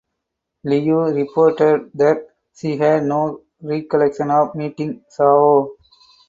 Liu reported that she "had no recollection" of meeting Zhao.